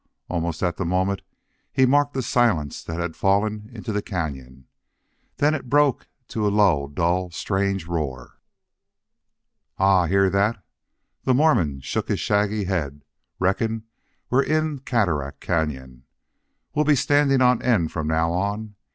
Almost at the moment he marked a silence that had fallen into the cañon; then it broke to a low, dull, strange roar. "Aha! Hear that?" The Mormon shook his shaggy head. "Reckon we're in Cataract Cañon. We'll be standing on end from now on.